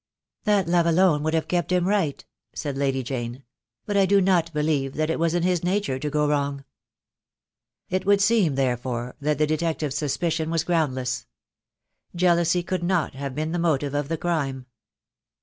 "That love alone would have kept him right," said Lady Jane; "but I do not believe that it was in his nature to go wrong." It would seem, therefore, that the detective's suspicion was groundless. Jealousy could not have been the motive of the crime.